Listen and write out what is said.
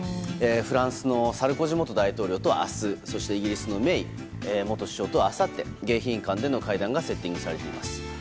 フランスのサルコジ元大統領と明日そしてイギリスのメイ元首相とあさって迎賓館での会談がセッティングされています。